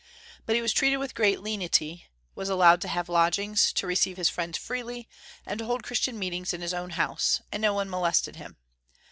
But he was treated with great lenity, was allowed to have lodgings, to receive his friends freely, and to hold Christian meetings in his own house; and no one molested him.